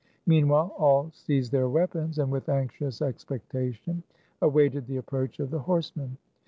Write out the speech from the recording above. ^Meanwhile, all seized their weapons, and with anxious expectation, awaited the ap proach of the horsemen.